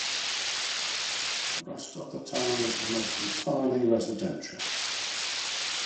The rest of the town is almost entirely residential.